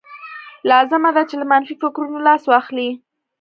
لازمه ده چې له منفي فکرونو لاس واخلئ.